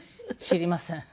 知りません。